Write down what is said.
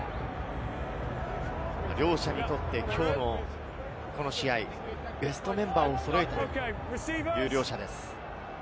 両者にとってこの試合、ベストメンバーを揃えたという両者です。